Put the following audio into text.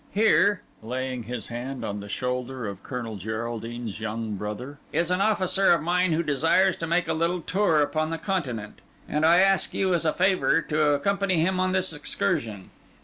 Here," laying his hand on the shoulder of Colonel Geraldine's young brother, "is an officer of mine who desires to make a little tour upon the Continent; and I ask you, as a favour, to accompany him on this excursion.